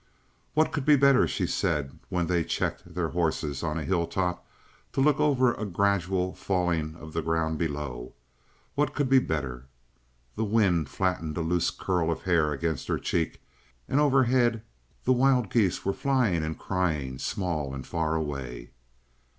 "What could be better?" she said when they checked their horses on a hilltop to look over a gradual falling of the ground below. "What could be better?" The wind flattened a loose curl of hair against her cheek, and overhead the wild geese were flying and crying, small and far away.